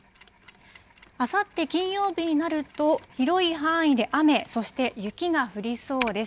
あさって金曜日になると、広い範囲で雨、そして雪が降りそうです。